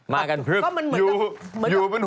มากันเพราะมันเหมือนกับเพราะมันเหมือนกับ